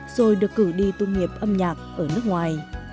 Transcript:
rồi được cử đi tu nghiệp âm nhạc ở nước ngoài